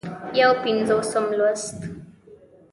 یو پينځوسم لوست